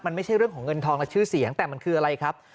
มันไม่ใช่เรื่องของเงินทองและชื่อเสียงแต่มันคืออะไรครับ